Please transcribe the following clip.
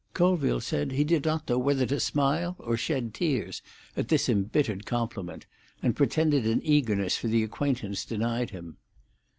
Colville said he did not know whether to smile or shed tears at this embittered compliment, and pretended an eagerness for the acquaintance denied him.